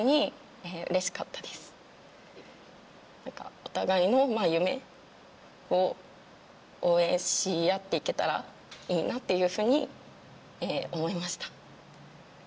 お互いの夢を応援し合って行けたらいいなっていうふうに思いました。